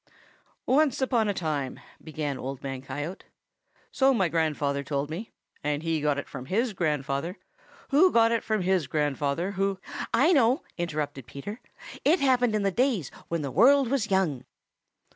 "Once upon a time," began Old Man Coyote, "so my grandfather told me, and he got it from his grandfather, who got it from his grandfather, who " "I know," interrupted Peter. "It happened in the days when the world was young."